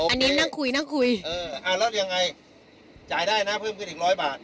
อันนี้นั่งคุยนั่งคุยเอออ่าแล้วยังไงจ่ายได้นะเพิ่มขึ้นอีกร้อยบาท